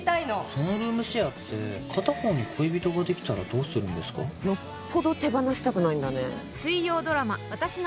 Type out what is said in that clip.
そのルームシェアって片方に恋人ができたらよっぽど手放したくないんだね。